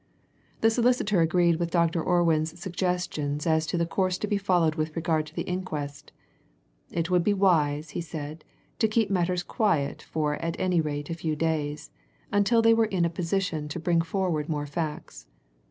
The solicitor agreed with Dr. Orwin's suggestions as to the course to be followed with regard to the inquest; it would be wise, he said, to keep matters quiet for at any rate a few days, until they were in a position to bring forward more facts.